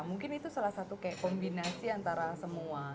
mungkin itu salah satu kayak kombinasi antara semua